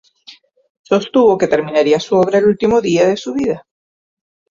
Sostuvo que terminaría su obra "el último día" de su vida.